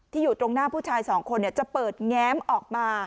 อยู่ตรงหน้าผู้ชายสองคนจะเปิดแง้มออกมา